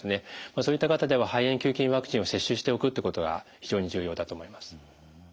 そういった方では肺炎球菌ワクチンを接種しておくってことが非常に重要だと思います。